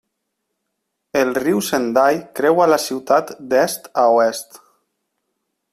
El riu Sendai creua la ciutat d'est a oest.